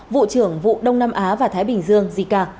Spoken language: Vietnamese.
vụ trưởng vụ đông nam á và thái bình dương jica